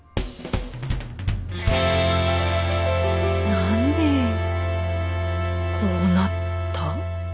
何でこうなった？